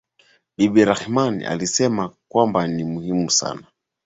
Bibi Rahman anasema kwamba Ni muhimu sana